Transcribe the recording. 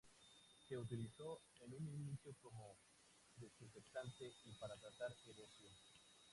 Se utilizó en un inicio como desinfectante y para tratar el bocio.